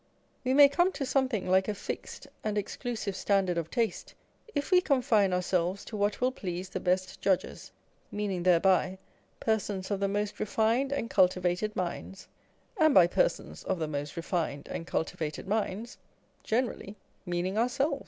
We may come to something like a fixed and exclusive standard of taste, if we confine ourselves to what will please the best judges, meaning thereby persons of the most refined and cultivated minds, and, by persons of the most refined and cultivated minds, generally meaning ourselves!